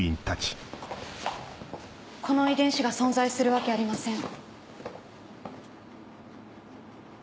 この遺伝子が存在するわけありません。